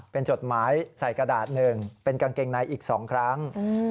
เป็นจดหมายใส่กระดาษหนึ่งเป็นกางเกงในอีก๒ครั้ง